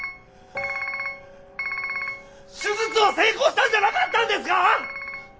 手術は成功したんじゃなかったんですか！